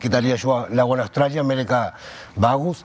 kita lihat lawan australia mereka bagus